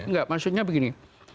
enggak maksudnya begini